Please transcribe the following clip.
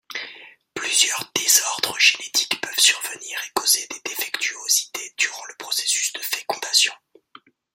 Plusieurs désordres génétiques peuvent survenir et causer des défectuosités durant le processus de fécondation.